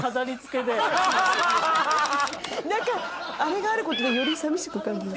あれがあることでより寂しく感じます。